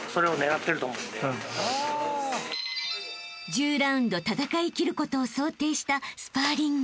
［１０ラウンド戦い切ることを想定したスパーリング］